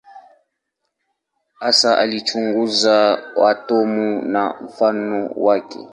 Hasa alichunguza atomu na mfumo wake.